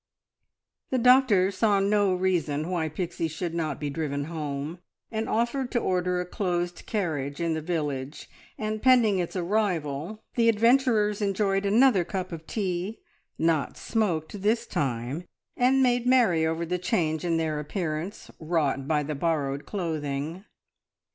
The doctor saw no reason why Pixie should not be driven home, and offered to order a closed carriage in the village, and pending its arrival, the adventurers enjoyed another cup of tea, not smoked this time, and made merry over the change in their appearance, wrought by the borrowed clothing.